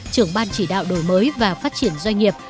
trưởng ban chỉ đạo đổi mới và phát triển doanh nghiệp